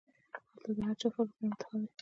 هلته د هر چا فکر پۀ يوه انتها وي